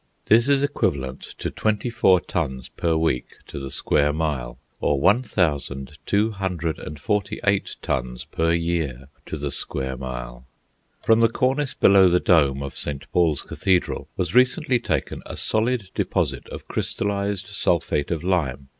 This is equivalent to twenty four tons per week to the square mile, or 1248 tons per year to the square mile. From the cornice below the dome of St. Paul's Cathedral was recently taken a solid deposit of crystallised sulphate of lime.